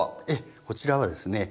こちらはですね